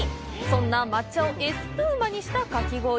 そんな抹茶をエスプーマにした、かき氷。